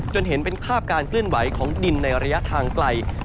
เห็นเป็นภาพการเคลื่อนไหวของดินในระยะทางไกล